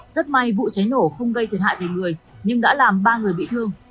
rất may vụ cháy nổ không gây thiệt hại về người nhưng đã làm ba người bị thương